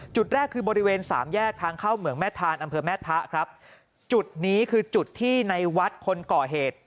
จุดแรกคือบริเวณสามแยกทางเข้าเหมืองแม่ทานอำเภอแม่ทะครับจุดนี้คือจุดที่ในวัดคนก่อเหตุ